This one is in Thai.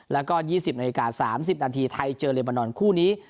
แล้วก็๒๐นาฬิกา๓๐นาทีไทยเจอเลบานอนคู่นี้